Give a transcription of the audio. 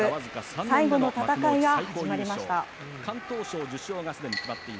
最後の戦いが始まりました。